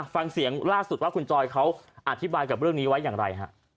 ฟังเสียงล่าสุดว่าคุณจอยเขาอธิบายกับเรื่องนี้ไว้อย่างไรฮะ